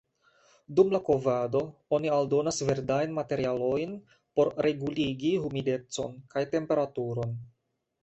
Dum la kovado oni aldonas verdajn materialojn por reguligi humidecon kaj temperaturon.